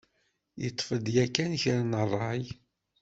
Teṭṭfeḍ yakan kra n rray?